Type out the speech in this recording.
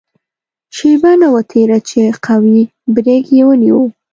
شېبه نه وه تېره چې قوي بریک یې ونیو.